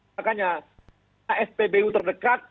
makanya aspbu terdekat